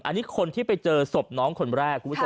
อันนี้คนที่ไปเจอศพน้องคนแรก